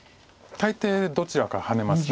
大抵どちらかハネます。